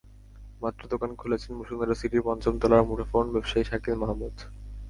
মাত্র দোকান খুলেছেন বসুন্ধরা সিটির পঞ্চম তলার মুঠোফোন ব্যবসায়ী শাকিল মাহমুদ।